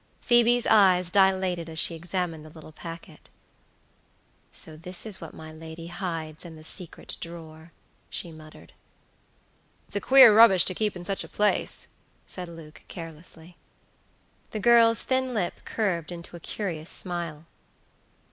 Phoebe's eyes dilated as she examined the little packet. "So this is what my lady hides in the secret drawer," she muttered. "It's queer rubbish to keep in such a place," said Luke, carelessly. The girl's thin lip curved into a curious smile.